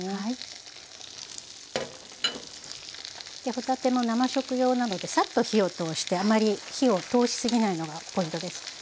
帆立ても生食用なのでサッと火を通してあまり火を通しすぎないのがポイントです。